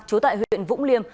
chú tại huyện vũng liêm